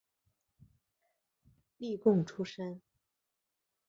例贡出身。